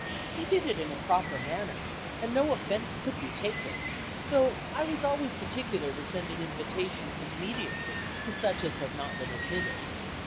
He did it in a proper manner, and no offence could be taken, though I was always particular to send an invitation immediately to such as had not been admitted.